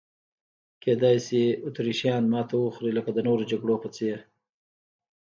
کېدای شي اتریشیان ماته وخوري لکه د نورو جګړو په څېر.